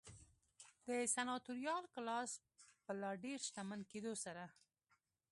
د سناتوریال کلاس په لا ډېر شتمن کېدو سره.